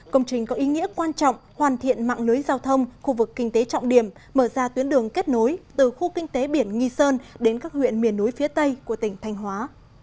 công trình có ý nghĩa quan trọng hoàn thiện mạng lưới giao thông khu vực kinh tế trọng điểm mở ra tuyến đường kết nối từ khu kinh tế biển nghi sơn đến các huyện miền núi phía tây của tỉnh thanh hóa